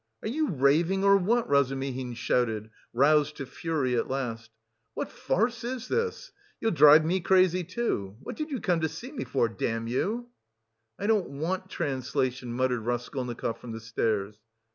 "Are you raving, or what?" Razumihin shouted, roused to fury at last. "What farce is this? You'll drive me crazy too... what did you come to see me for, damn you?" "I don't want... translation," muttered Raskolnikov from the stairs.